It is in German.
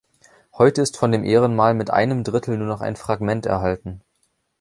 Heute ist von dem Ehrenmal mit einem Drittel nur noch ein Fragment erhalten.